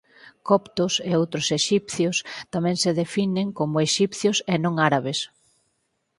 Coptos e outros exipcios tamén se definen como exipcios e non árabes.